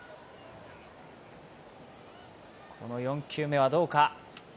この４球目は、どうか。